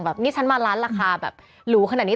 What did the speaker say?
นี่ฉันมาร้านราคาแบบหรูขนาดนี้